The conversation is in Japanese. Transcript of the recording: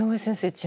先生